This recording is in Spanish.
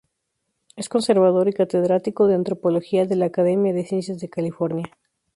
Es conservador y catedrático de antropología de la Academia de Ciencias de California.